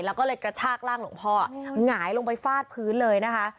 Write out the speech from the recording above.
แล้วก็เลยกระชากร่างหลวงพ่อหงายลงไปฟาดพื้นเลยนะคะ